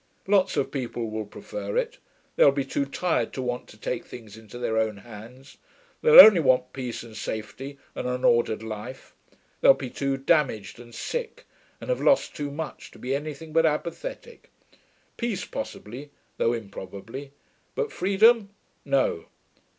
Lots of people will prefer it; they'll be too tired to want to take things into their own hands: they'll only want peace and safety and an ordered life. They'll be too damaged and sick and have lost too much to be anything but apathetic. Peace, possibly (though improbably): but Freedom, no.